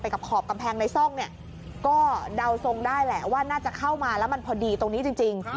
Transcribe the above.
กับขอบกำแพงในซ่องเนี่ยก็เดาทรงได้แหละว่าน่าจะเข้ามาแล้วมันพอดีตรงนี้จริง